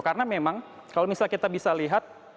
karena memang kalau misalnya kita bisa lihat